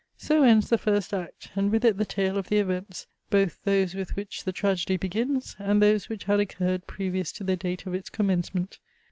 So ends the first act, and with it the tale of the events, both those with which the tragedy begins, and those which had occurred previous to the date of its commencement.